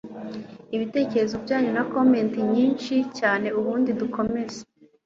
Ibitekerezo byanyu na comments nyinshi cyane ubundi dukomeze